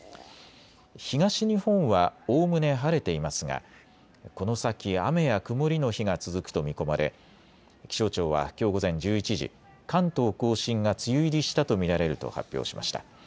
東日本はおおむね晴れていますがこの先、雨や曇りの日が続くと見込まれ気象庁はきょう午前１１時、関東甲信が梅雨入りしたと見られると発表しました。